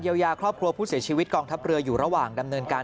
ยาครอบครัวผู้เสียชีวิตกองทัพเรืออยู่ระหว่างดำเนินการ